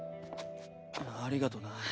ありがとな。